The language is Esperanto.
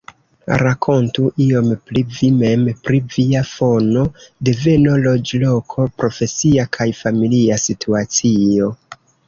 Rakontu iom pri vi mem pri via fono, deveno, loĝloko, profesia kaj familia situacio.